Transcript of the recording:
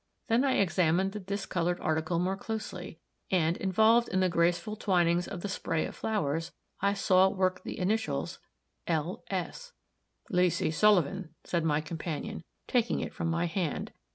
Then I examined the discolored article more closely, and, involved in the graceful twinings of the spray of flowers, I saw worked the initials "L. S." "Leesy Sullivan," said my companion, taking it from my hand.